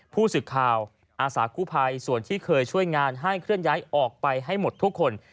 ผู้สื่อข่าวอาสากู้ภัยส่วนที่เคยช่วยงานให้เคลื่อนย้ายออกไปให้หมดทุกคน